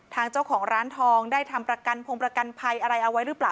ทางเจ้าของร้านทองได้ทำประกันพงประกันภัยอะไรเอาไว้หรือเปล่า